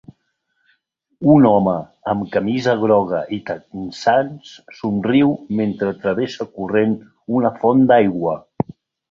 Un home amb camisa groga i texans somriu mentre travessa corrent una font d'aigua.